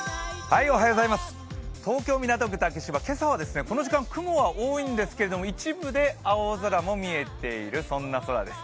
東京・港区竹芝、今朝はこの時間、雲は多いんですけど一部で青空も見えている空です。